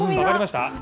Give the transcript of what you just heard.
分かりました？